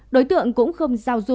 đối tượng cũng không giao du tiếp xúc